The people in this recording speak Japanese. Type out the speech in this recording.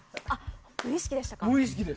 無意識でしたか。